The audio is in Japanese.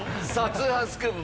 『通販スクープ』